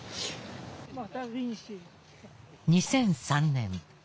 ２００３年。